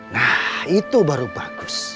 nah itu baru bagus